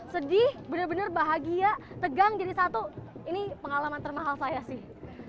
sedih benar benar bahagia tegang jadi satu ini pengalaman termahal saya sih